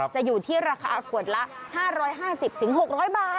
จะอยู่ที่ราคาขวดละ๕๕๐๖๐๐บาท